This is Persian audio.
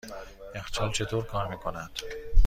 یخچال چطور کار میکند؟